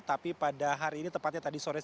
tapi pada hari ini tepatnya tadi sore